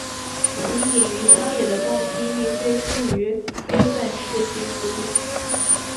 其隐于乡野的动机亦非出于非愤世嫉俗。